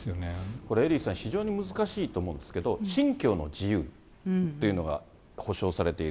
これ、エリーさん、非常に難しいと思うんですけれども、信教の自由っていうのが保障されている。